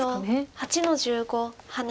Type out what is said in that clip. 白８の十五ハネ。